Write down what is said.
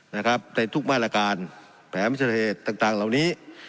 ในทุกบ้านหลักการแผนวิชาเทศต่างเหล่านี้